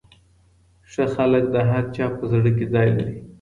ښه خلک د هر چا په زړه کي ځای لري.